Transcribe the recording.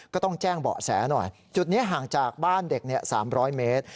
ก็ต้องแจ้งเบาะแสหน่อยจุดนี้ห่างจากบ้านเด็ก๓๐๐เมตร